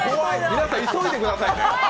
皆さん、急いでくださいね。